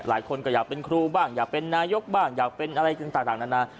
หลายคนก็อยากเป็นครูบ้างอยากเป็นนายกบ้างอยากเป็นอะไรต่างนานา